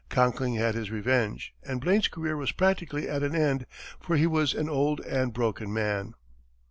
Conkling had his revenge, and Blaine's career was practically at an end, for he was an old and broken man.